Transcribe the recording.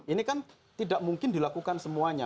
ini kan tidak mungkin dilakukan semuanya